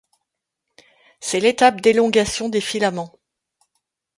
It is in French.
C'est l'étape d'élongation des filaments.